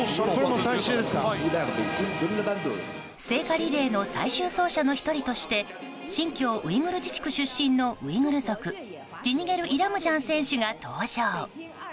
聖火リレーの最終走者の１人として新疆ウイグル自治区出身のウイグル族ジニゲル・イラムジャン選手が登場。